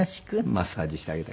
マッサージしてあげたり。